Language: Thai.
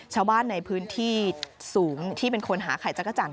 ชาวบ้านในพื้นที่สูงที่เป็นคนหาไข่จักรจันท